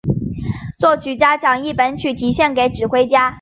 作曲家亦将本曲题献给指挥家。